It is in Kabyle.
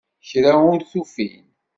Kra ur t-ufin.